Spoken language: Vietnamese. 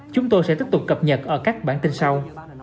chúng tôi sẽ tiếp tục cập nhật ở các bản tin sau